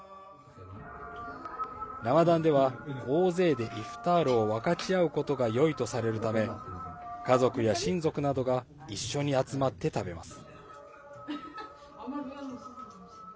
ラマダンでは、大勢でイフタールを分かち合うことがよいとされるため家族や親族などが一緒に集まって食べます。